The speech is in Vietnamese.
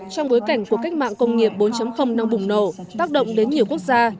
trong bối cảnh của cách mạng công nghiệp bốn đang bùng nổ tác động đến nhiều quốc gia